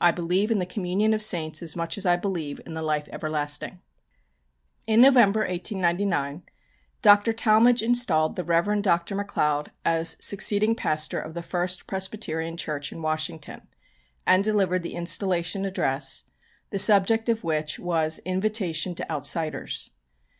I believe in the communion of saints as much as I believe in the life everlasting." In November, 1899, Dr. Talmage installed the Rev. Donald McLeod as succeeding pastor of the First Presbyterian Church in Washington, and delivered the installation address, the subject of which was, "Invitation to Outsiders."